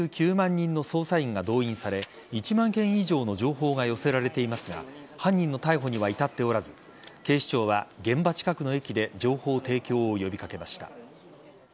人の捜査員が動員され１万件以上の情報が寄せられていますが犯人の逮捕には至っておらず警視庁は現場近くの駅で情報提供を呼び掛けました。